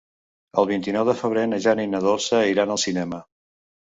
El vint-i-nou de febrer na Jana i na Dolça iran al cinema.